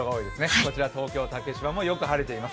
こちら、東京・竹芝もよく晴れています。